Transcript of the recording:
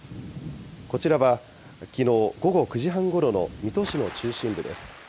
こちらは、きのう午後９時半ごろの水戸市の中心部です。